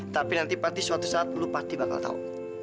tapi nanti pati suatu saat lo pasti bakal tau